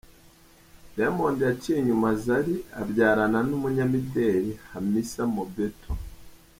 Diamond yaciye inyuma Zari abyarana n’umunyamideli Hamisa Mobetto.